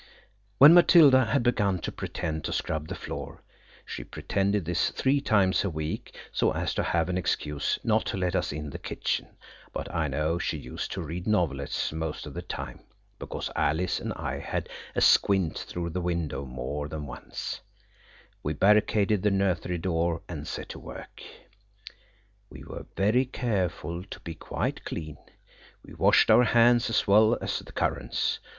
When Matilda had begun to pretend to scrub the floor (she pretended this three times a week so as to have an excuse not to let us in the kitchen, but I know she used to read novelettes most of the time, because Alice and I had a squint through the window more than once), we barricaded the nursery door and set to work. We were very careful to be quite clean. We washed our hands as well as the currants.